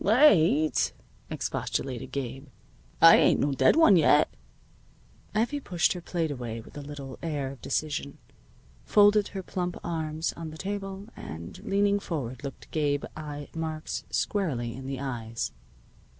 "Late!" expostulated Gabe. "I ain't no dead one yet." Effie pushed her plate away with a little air of decision, folded her plump arms on the table, and, leaning forward, looked Gabe I. Marks squarely in the eyes.